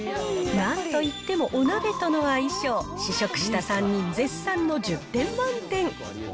なんといってもお鍋との相性、試食した３人絶賛の１０点満点。